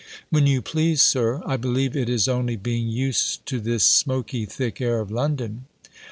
"When you please. Sir. I believe it is only being used to this smoky thick air of London!